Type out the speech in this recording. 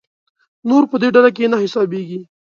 نور په دې ډله کې نه حسابېږي.